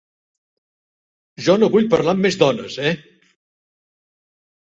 Jo no vull parlar amb més dones, eh?